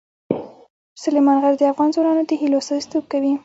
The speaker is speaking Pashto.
سلیمان غر د افغان ځوانانو د هیلو استازیتوب کوي.